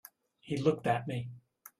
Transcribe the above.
He looked at me.